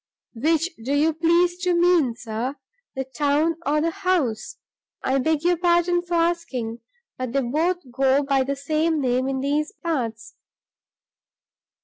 "Which do you please to mean, sir the town or the house? I beg your pardon for asking, but they both go by the same name in these parts."